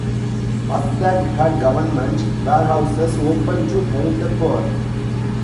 Mazdak had government warehouses opened to help the poor.